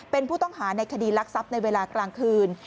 เป็นผู้ต้องหาในคดีรักทรัพย์ในเวลากลางคืน